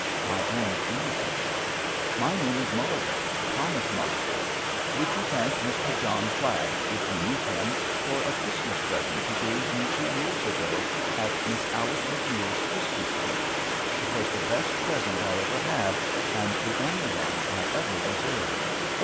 I owned innocence. "My name is Mulligan Thomas Mulligan. Would you thank Mr. John Flagg, if you meet him, for a Christmas present he gave me two years ago, at Miss Alice MacNeil's Christmas tree. It was the best present I ever had, and the only one I ever deserved."